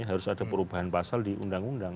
harus ada perubahan pasal di undang undang